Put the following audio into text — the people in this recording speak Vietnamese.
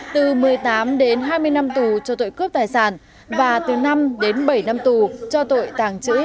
từ một mươi tám đến hai mươi năm tù cho tội cướp tài sản và từ năm đến bảy năm tù cho tội tàng trữ